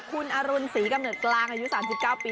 คุณอรุณศรีกำเนิดกลางอายุ๓๙ปี